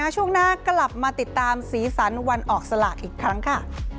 ช่วงหน้ากลับมาติดตามสีสันวันออกสลากอีกครั้งค่ะ